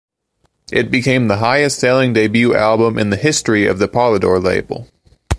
It became the highest selling debut album in the history of the Polydor label.